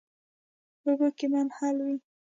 په اوبو کې منحل وي.